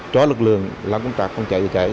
cho lực lượng làm công tác phòng cháy chữa cháy